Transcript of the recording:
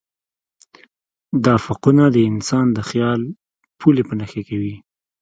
دا افقونه د انسان د خیال پولې په نښه کوي.